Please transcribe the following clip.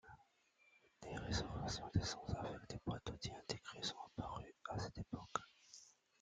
Des réservoirs d'essence avec des boîtes à outils intégrées sont apparus à cette époque.